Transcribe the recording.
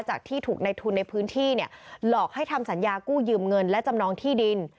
ที่ถูกในทุนในพื้นที่เนี่ยหลอกให้ทำสัญญากู้ยืมเงินและจำนองที่ดิน